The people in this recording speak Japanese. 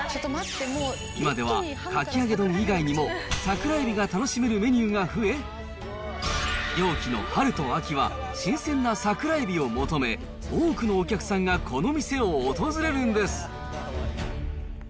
今ではかき揚げ丼以外にも、桜エビが楽しめるメニューが増え、漁期の春と秋は新鮮な桜エビを求め、多くのお客さんが、この店を訪れるんです。